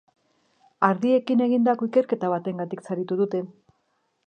Ardiekin egindako ikerketa batengatik saritu dute.